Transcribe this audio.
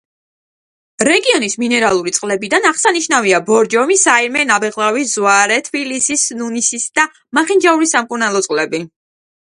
რეგიონის მინერალური წყლებიდან აღსანიშნავია: ბორჯომი, საირმე, ნაბეღლავი, ზვარე; თბილისის, ნუნისის და მახინჯაურის სამკურნალო წყლები.